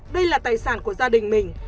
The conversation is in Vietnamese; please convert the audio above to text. đây là tài sản của gia đình mình